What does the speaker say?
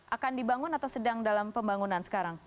akan dibangun atau sedang dalam pembangunan sekarang